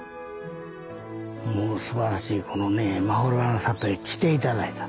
もうすばらしいこのまほろばの里へ来て頂いたと。